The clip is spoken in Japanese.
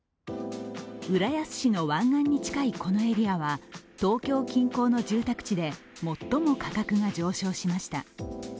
浦安市の湾岸に近いこのエリアは東京近郊の住宅地で最も価格が上昇しました。